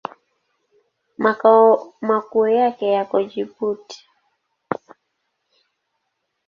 Makao makuu yake yako Jibuti.